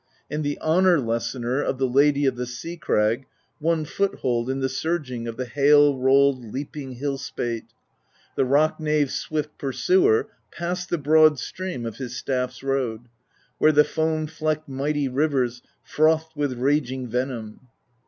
And the honor lessener Of the Lady of the Sea Crag Won foot hold in the surging Of the hail rolled leaping hill spate; The rock knave's swift Pursuer Passed the broad stream of his staff's road, Where the foam flecked mighty rivers Frothed with raging venom.